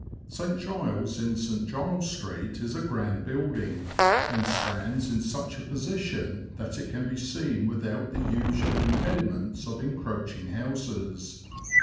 St. Giles, in St. Giles Street, is a grand building, and stands in such a position that it can be seen without the usual impediments of encroaching houses.